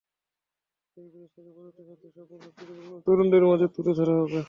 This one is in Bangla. দেশ-বিদেশ থেকে প্রযুক্তি ক্ষেত্রে সফল ব্যক্তিদের বাংলাদেশের তরুণদের মাঝে তুলে ধরা হবে।